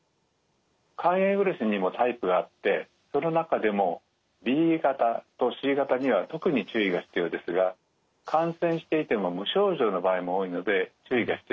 肝炎ウイルスにもタイプがあってその中でもＢ型とＣ型には特に注意が必要ですが感染していても無症状の場合も多いので注意が必要ですね。